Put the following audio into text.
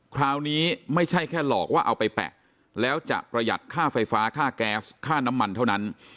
คราวนี้ไม่ใช่แค่หลอกว่าเอาไปแปะแล้วจะประหยัดค่าไฟฟ้าค่าแก๊สค่าน้ำมันเท่านั้น